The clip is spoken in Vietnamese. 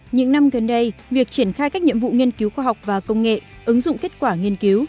những năm gần đây việc triển khai các nhiệm vụ nghiên cứu khoa học và công nghệ ứng dụng kết quả nghiên cứu